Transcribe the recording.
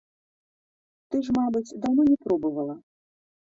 Ты ж, мабыць, даўно не пробавала.